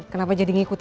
kenapa jadi ngisi